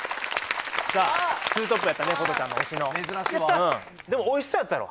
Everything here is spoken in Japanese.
さあ２トップやったね香都ちゃんの推しのでもおいしそうやったやろ？